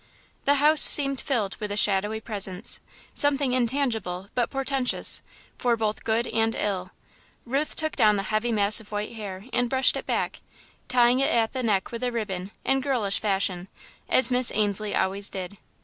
The house seemed filled with a shadowy presence something intangible, but portentous, for both good and ill. Ruth took down the heavy mass of white hair and brushed it back, tying it at the neck with a ribbon, in girlish fashion, as Miss Ainslie always did.